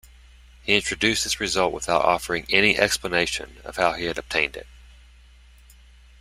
He introduced this result without offering any explanation of how he had obtained it.